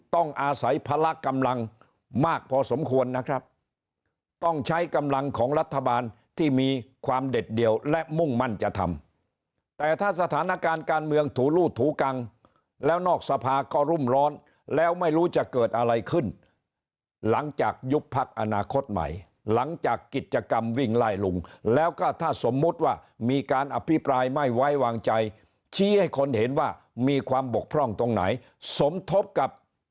ต้องอาศัยพละกำลังมากพอสมควรนะครับต้องใช้กำลังของรัฐบาลที่มีความเด็ดเดี่ยวและมุ่งมั่นจะทำแต่ถ้าสถานการณ์การเมืองถูรูดถูกังแล้วนอกสภาก็รุ่มร้อนแล้วไม่รู้จะเกิดอะไรขึ้นหลังจากยุบพักอนาคตใหม่หลังจากกิจกรรมวิ่งไล่ลุงแล้วก็ถ้าสมมุติว่ามีการอภิปรายไม่ไว้วางใจชี้ให้คนเห็นว่ามีความบกพร่องตรงไหนสมทบกับ